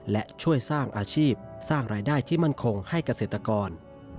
และช่วยสร้างอาชีพสร้างรายได้ที่มั่นคงให้เกษตรกร